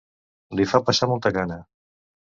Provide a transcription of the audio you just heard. Li fa passar molta gana.